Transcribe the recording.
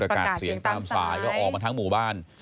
ประกาศเสียงตามสายประกาศเสียงตามสายก็ออกมาทั้งหมู่บ้าน